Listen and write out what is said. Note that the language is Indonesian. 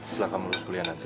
setelah kamu urus kuliah nanti